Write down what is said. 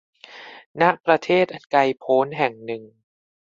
ณ ประเทศอันไกลพ้นแห่งหนึ่ง